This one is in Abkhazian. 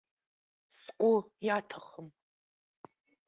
Сгәы иаҭахым.